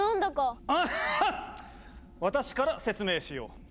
私から説明しよう。